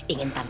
ingin tahan dia